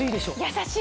優しい。